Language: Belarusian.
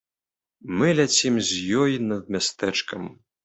Мы ляцім з ёю над мястэчкам.